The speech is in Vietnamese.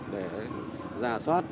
để giả soát